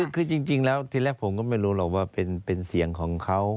คือจริงแล้วทีแรกผมก็ไม่รู้หรอกว่าเป็นเสียงของเขา